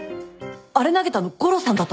あれ投げたの悟郎さんだったの！？